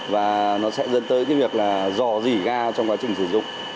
và nó sẽ dẫn tới cái việc là dò dỉ ga trong quá trình sử dụng